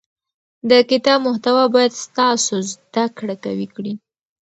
د کتاب محتوا باید ستاسو زده کړه قوي کړي.